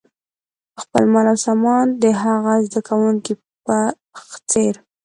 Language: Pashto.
خپل مال او سامان د هغه زده کوونکي په څېر.